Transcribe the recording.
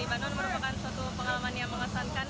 di bandung merupakan suatu pengalaman yang mengesankan